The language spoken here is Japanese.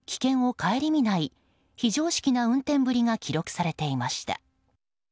更に映像には黒い車の危険を顧みない非常識な運転ぶりが記録されていました。